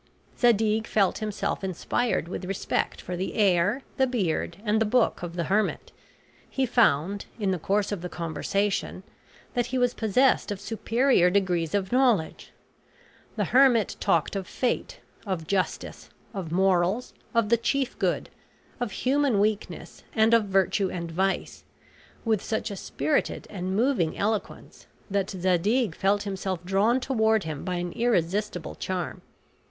Zadig felt himself inspired with respect for the air, the beard, and the book of the hermit. He found, in the course of the conversation, that he was possessed of superior degrees of knowledge. The hermit talked of fate, of justice, of morals, of the chief good, of human weakness, and of virtue and vice, with such a spirited and moving eloquence, that Zadig felt himself drawn toward him by an irresistible charm.